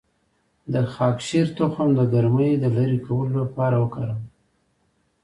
د خاکشیر تخم د ګرمۍ د لرې کولو لپاره وکاروئ